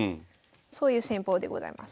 そういう戦法でございます。